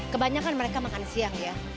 kebanyakan mereka makan siang ya